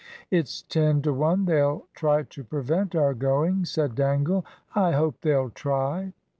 "It's ten to one they'll try to prevent our going," said Dangle; "I hope they'll try."